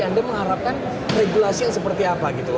anda mengharapkan regulasi yang seperti apa gitu